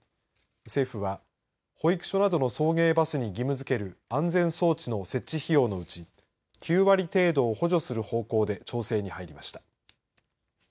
政府は保育所などの送迎バスに義務づける安全装置の設置費用のうち９割程度を補助する方向で調整に入りました。